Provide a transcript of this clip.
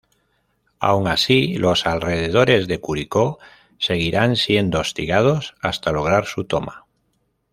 Aun así los alrededores de Curicó seguirán siendo hostigados hasta lograr su toma.